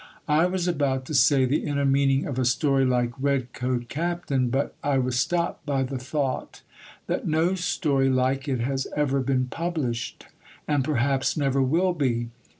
I was about to say, the inner meaning of a story like Red Coat Captain, but I was stopped by the thought that no story like it has ever been published, and perhaps never will be.